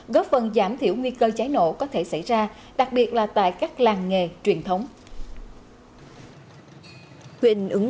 góp phần giảm thiểu nguy cơ cháy nổ có thể xảy ra đặc biệt là tại các làng nghề truyền thống